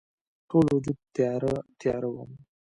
ټول وجود تیاره، تیاره وم